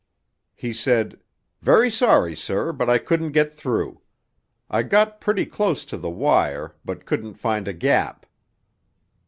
He said, 'Very sorry, sir, but I couldn't get through. I got pretty close to the wire, but couldn't find a gap.'